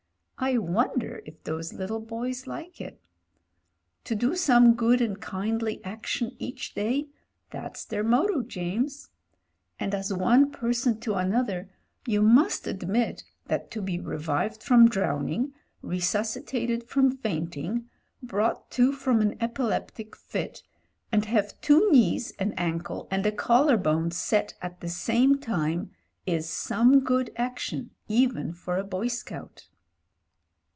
I wonder if those little boys like it? To do some good and kindly action each day — that's their motto, James. And as one person to an other you must admit that to be revived from drown ing, resuscitated from fainting, brought to from an epileptic fit, and have two knees, an ankle, and a collar 2i6 MEN, WOMEN AND GUNS bone set at the same time is some good action even for a boy scout.